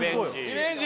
リベンジ